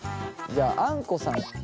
じゃああんこさん。